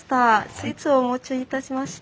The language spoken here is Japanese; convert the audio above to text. スイーツをお持ちいたしました。